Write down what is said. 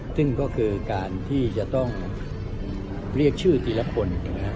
ซึ่งก็คือการที่จะต้องเรียกชื่อทีละคน